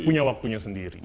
punya waktunya sendiri